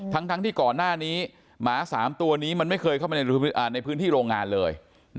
ทั้งที่ก่อนหน้านี้หมา๓ตัวนี้มันไม่เคยเข้ามาในพื้นที่โรงงานเลย